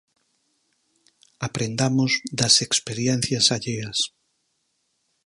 Aprendamos das experiencias alleas.